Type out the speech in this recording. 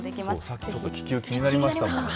さっきちょっと、気球、気になりましたもんね。